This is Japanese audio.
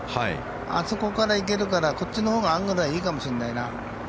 あそこから行けるからこっちのほうがアングルはいいかもしれないな。